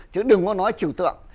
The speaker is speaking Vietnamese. chứ đừng có nói chủ tượng